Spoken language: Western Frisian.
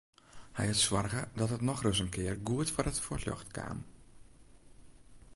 Hy hat soarge dat it nochris in kear goed foar it fuotljocht kaam.